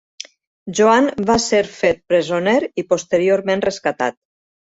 Joan va ser fet presoner i posteriorment rescatat.